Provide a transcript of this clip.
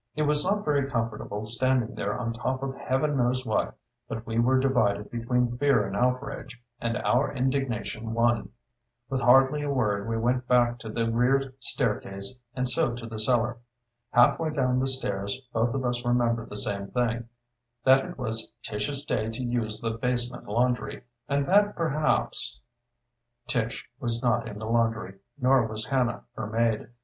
It was not very comfortable, standing there on top of Heaven knows what; but we were divided between fear and outrage, and our indignation won. With hardly a word we went back to the rear staircase and so to the cellar. Halfway down the stairs both of us remembered the same thing that it was Tish's day to use the basement laundry, and that perhaps Tish was not in the laundry, nor was Hannah, her maid.